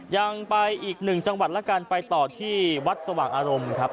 ยังไปอีกหนึ่งจังหวัดแล้วกันไปต่อที่วัดสว่างอารมณ์ครับ